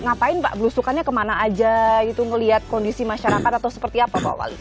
ngapain pak belusukannya kemana aja itu ngeliat kondisi masyarakat atau seperti apa pak wali